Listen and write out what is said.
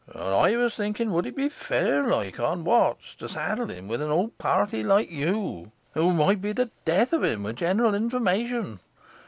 And I was thinking, would it be fair like on Watts to saddle him with an old party like you, who might be the death of him with general information.